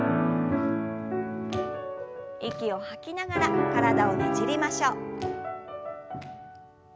息を吐きながら体をねじりましょう。